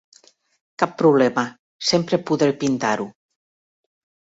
Cap problema, sempre podré pintar-ho.